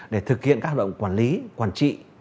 để thực hiện các hoạt động quản lý quản trị